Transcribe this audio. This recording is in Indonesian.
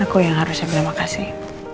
aku yang harus yang berterima kasih